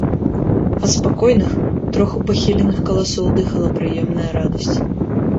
Ад спакойных, троху пахіленых каласоў дыхала прыемная радасць.